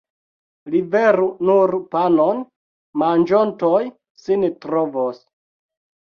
Liveru nur panon, manĝontoj sin trovos.